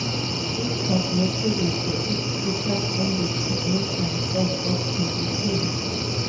It was notable for its focus on the technical side of computing.